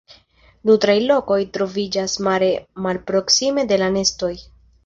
Nutraj lokoj troviĝas mare malproksime de la nestoj.